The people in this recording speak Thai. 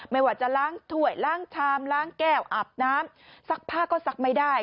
ไม่ว่าจะล้างถ้วยล้างชามล้างแก้วอาบน้ำซักผ้าก็ซักไม่ได้